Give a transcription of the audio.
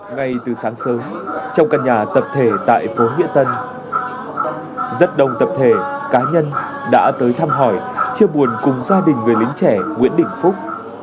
ngay từ sáng sớm trong căn nhà tập thể tại phố nghĩa tân rất đông tập thể cá nhân đã tới thăm hỏi chia buồn cùng gia đình người lính trẻ nguyễn đình phúc